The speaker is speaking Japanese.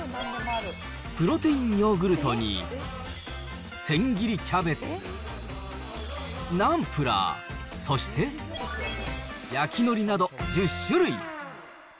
プロテインヨーグルトに千切りキャベツ、ナンプラー、そして焼きのりなど１０種類。